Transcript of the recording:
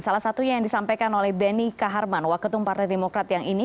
salah satunya yang disampaikan oleh benny kaharman waketum partai demokrat yang ini